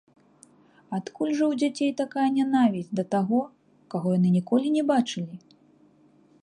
Адкуль жа ў дзяцей такая нянавісць да таго, каго яны ніколі не бачылі?